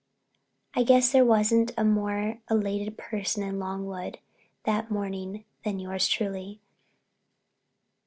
I guess there wasn't a more elated person in Longwood that morning than yours truly.